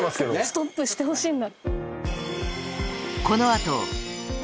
ストップしてほしいんだ。